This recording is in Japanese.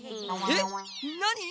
えっ？何？